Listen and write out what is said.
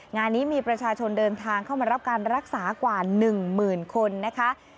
งานนี้มีประชาชนเดินทางเข้ามารับการรักษากว่า๑หมื่นคนนะคะ